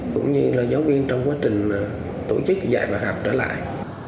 cũng như là giáo viên trong quá trình tổ chức dạy và học trở lại